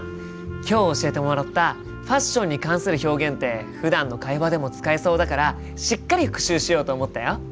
今日教えてもらったファッションに関する表現ってふだんの会話でも使えそうだからしっかり復習しようと思ったよ。